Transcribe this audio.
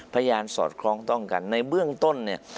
สอดคล้องต้องกันในเบื้องต้นเนี่ย